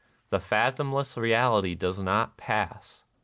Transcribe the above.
Tlie fathomless Reality does not pass.